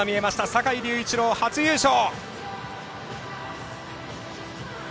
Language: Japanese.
坂井隆一郎、初優勝！